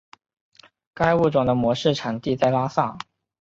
该物种的模式产地在拉萨。